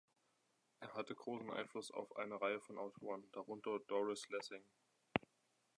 Er hatte großen Einfluss auf eine Reihe von Autoren, darunter Doris Lessing.